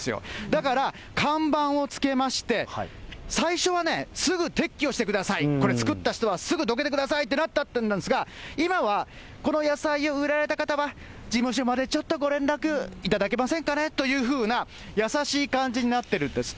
だから看板を付けまして、最初はね、すぐ撤去してください、これ、作った人はすぐどけてくださいってなったんですが、今はこの野菜を植えられた方は、事務所までちょっとご連絡いただけませんかねというふうな、優しい感じになってるんです。